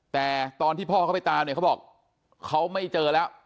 แต่ตอนที่พ่อเขาไปตามเนี่ยเขาบอกเขาไม่เจอแล้ว